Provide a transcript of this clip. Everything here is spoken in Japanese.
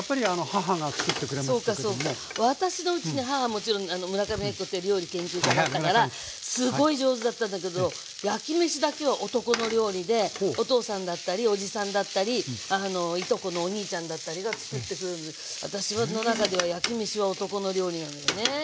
もちろん村上昭子って料理研究家だったからすごい上手だったんだけど焼きめしだけは男の料理でお父さんだったりおじさんだったりいとこのお兄ちゃんだったりがつくってくれるので私の中では焼きめしは男の料理なのよね。